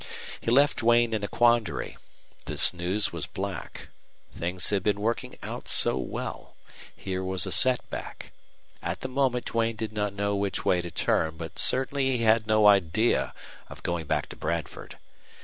He left Duane in a quandary. This news was black. Things had been working out so well. Here was a setback. At the moment Duane did not know which way to turn, but certainly he had no idea of going back to Bradford.